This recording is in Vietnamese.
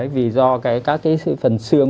vì do các cái phần xương